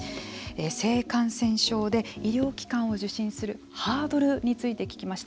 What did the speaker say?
性感染症で医療機関を受診するハードルについて聞きました。